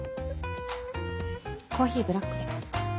コーヒーブラックで。